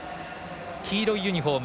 黄色いユニフォーム